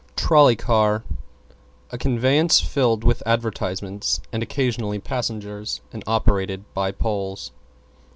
=TROLLEY CAR= A conveyance filled with advertisements, and occasionally passengers, and operated by Poles.